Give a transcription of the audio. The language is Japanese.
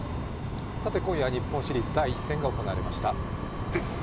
今夜は日本シリーズ第１戦が行われました。